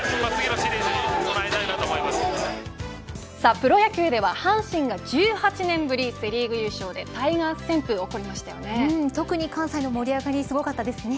プロ野球では阪神が１８年ぶりセ・リーグ優勝でタイガース旋風が特に関西の盛り上がりすごかったですね。